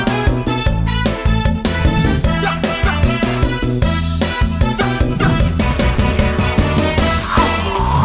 สู้สู้ซ่าซ่ายกำลังซ่าออกมาสู้สู้